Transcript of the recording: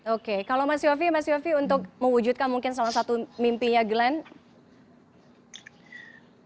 oke kalau mas syofie mas syofi untuk mewujudkan mungkin salah satu mimpinya glenn